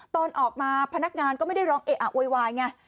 ตอนออกมาพนักงานก็ไม่ได้ร้องเอะอะโวยวายไง